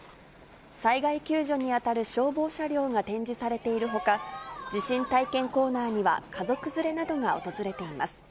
災害救助に当たる消防車両が展示されているほか、地震体験コーナーには家族連れなどが訪れています。